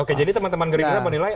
oke jadi teman teman geri bira menilai